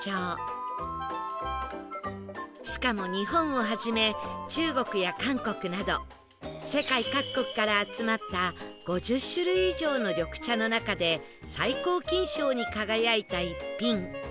しかも日本をはじめ中国や韓国など世界各国から集まった５０種類以上の緑茶の中で最高金賞に輝いた逸品